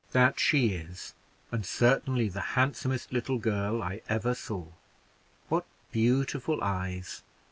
"That she is; and certainly the handsomest little girl I ever saw. What beautiful eyes!